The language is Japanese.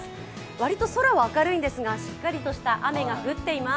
割と空は明るいんですが、しっかりとした雨が降っています。